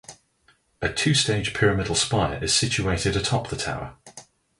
A two-stage pyramidal spire is situated atop the tower.